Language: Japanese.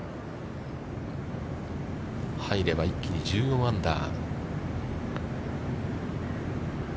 入れば一気に１４アンダー。